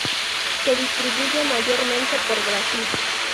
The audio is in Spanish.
Se distribuye mayormente por Brasil.